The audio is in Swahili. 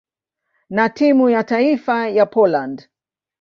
na timu ya taifa ya Poland.